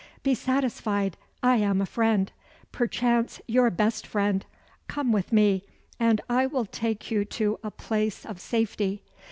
Be satisfied I am a friend, perchance your best friend. Come with me, and I will take you to a place of safety."